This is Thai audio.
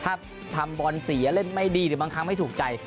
ถ้าทำบอลเสียเล่นไม่ดีหรือบางครั้งไม่ถูกใจ